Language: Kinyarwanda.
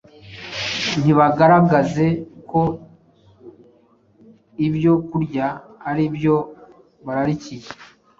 ntibagaragaze ko ibyo kurya ari byo bararikiye.